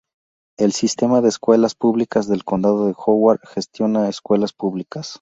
El Sistema de Escuelas Públicas del Condado de Howard gestiona escuelas públicas.